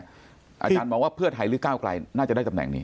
อาจารย์มองว่าเพื่อไทยหรือก้าวไกลน่าจะได้ตำแหน่งนี้